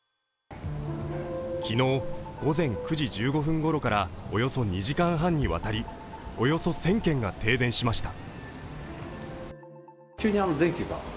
昨日、午前９時１５分ごろからおよそ２時間半にわたりおよそ１０００軒が停電しました。